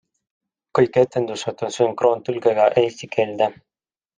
Kõik etendused on sünkroontõlkega eesti keelde.